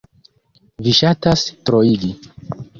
Vi ŝatas troigi!